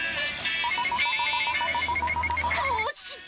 どうした？